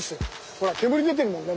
ほら煙出てるもんね